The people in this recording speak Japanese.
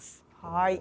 はい。